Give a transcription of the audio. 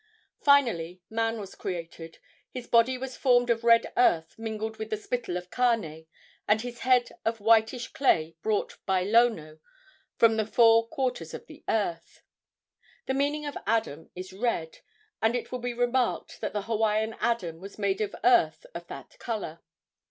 Finally, man was created. His body was formed of red earth mingled with the spittle of Kane, and his head of whitish clay brought by Lono from the four quarters of the earth. The meaning of Adam is red, and it will be remarked that the Hawaiian Adam was made of earth of that color.